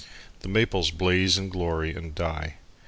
The maples blaze in glory and die.